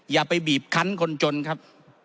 อย่าไปบีบคันคนจนครับ